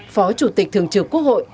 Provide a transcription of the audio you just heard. phó chủ tịch thường trường quốc hội